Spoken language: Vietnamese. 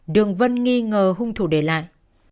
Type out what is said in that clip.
đường vân nghi ngờ hung thủ để lại